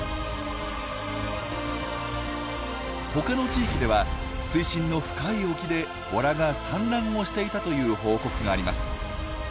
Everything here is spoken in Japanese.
他の地域では水深の深い沖でボラが産卵をしていたという報告があります。